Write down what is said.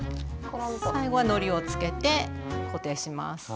最後はのりをつけて固定します。